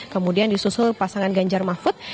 kemudian disusul pasangan ganjaran